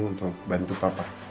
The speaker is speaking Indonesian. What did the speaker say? untuk bantu papa